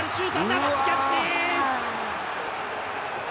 キャッチ。